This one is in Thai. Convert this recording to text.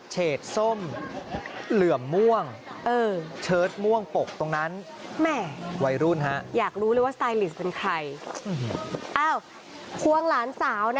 เฉจส้มเหลือม่วงเชิชม่วงโปกตรงนั้น